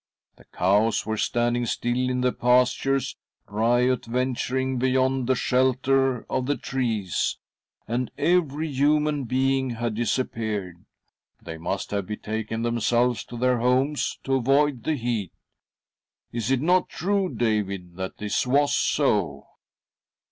The cows were standing still in the pastures, riot venturing beyond the shelter of the trees, and every human being had disappeared. They must have, betaken themselves to their homes to avoid the heat. Is it not true, David, that this was do?"